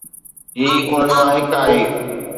هي انهن مان هڪ آهي.